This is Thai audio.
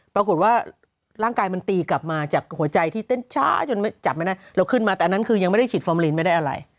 ปรากฏว่าร่างกายมันตีกลับมาจากหัวใจที่เต้นช้าจนจับไม่ได้เราขึ้นมาแต่อันนั้นคือยังไม่ได้ฉีดฟอร์มลีนไม่ได้อะไร